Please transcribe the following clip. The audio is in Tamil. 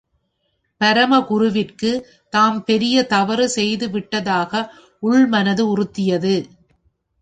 பரமகுருவிற்கு தாம் பெரிய தவறு செய்து விட்டதாக உள் மனது உறுத்தியது.